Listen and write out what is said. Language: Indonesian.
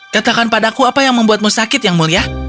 katakan padaku apa yang membuatmu sakit yang mulia